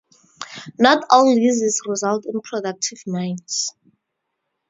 Not all leases result in productive mines.